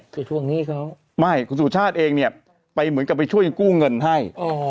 ทวงหนี้เขาไม่คุณสุชาติเองเนี่ยไปเหมือนกับไปช่วยกู้เงินให้